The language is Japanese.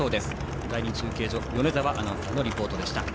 第２中継所、米澤アナウンサーのリポートでした。